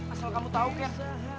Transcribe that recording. asal kamu tahu ken